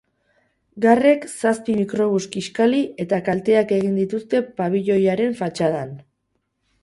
Garrek zazpi mikrobus kiskali eta kalteak egin dituzte pabiloiaren fatxadan.